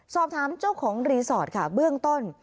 สอบถามเจ้าของรีสอร์ทค่ะเบื้องต้น